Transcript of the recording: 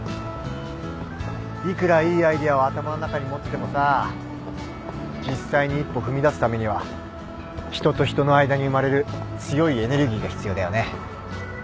いくらいいアイデアを頭の中に持っててもさ実際に一歩踏み出すためには人と人の間に生まれる強いエネルギーが必要だよね。